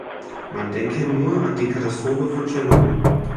Man denke nur an die Katastrophe von Tschernobyl.